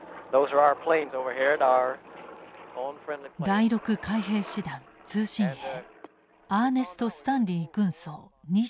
第６海兵師団通信兵アーネスト・スタンリー軍曹２５歳。